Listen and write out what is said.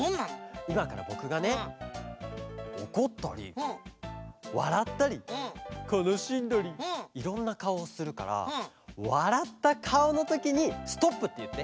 いまからぼくがねおこったりわらったりかなしんだりいろんなかおをするからわらったかおのときに「ストップ」っていって。